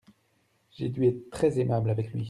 J’ai dû être très aimable avec lui.